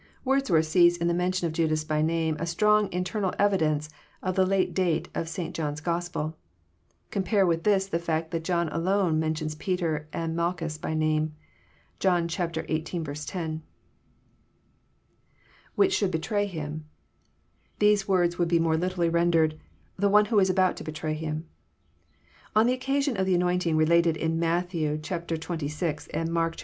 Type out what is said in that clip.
Wordsworth sees in the mention of Judas by name a strong internal evidence of the late date of St. John's GospeL Com pare with this the fact that John alone mentions Peter and Mal chus by name. (John xviii. 10.) IWhich should betray him,'] These words would be more lit erally rendered, " the one who was about to betray Him." On the occasion of the anointing related in Matt. xxvl. and If ark xiv.